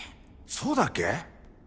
そうだっけ？